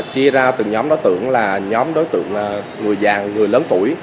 chia ra từng nhóm đối tượng là nhóm đối tượng người già người lớn tuổi